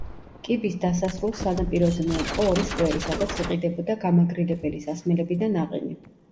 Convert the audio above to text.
კიბის დასასრულს სანაპიროზე მოეწყო ორი სკვერი, სადაც იყიდებოდა გამაგრილებელი სასმელები და ნაყინი.